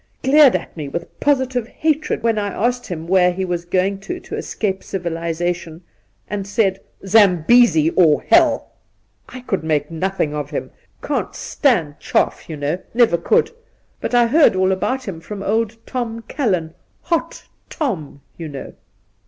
Glared at me with positive hatred when I asked him where he was going to to escape civilization, and said, "Zambesi, or hell." I could make nothing of him. Can't stand chaff, you know ; never could. But I heard all about him from old Tom CaUan —" Hot Tom," you know.'